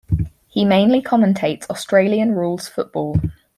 He mainly commentates Australian rules football.